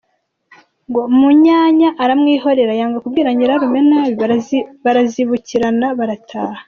Munyanya aramwihorera yanga kubwira nyirarume nabi ; barazibukirana barataha.